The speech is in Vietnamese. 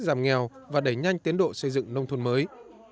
giảm nghèo và đẩy nhanh tiến độ xây dựng nông thôn mới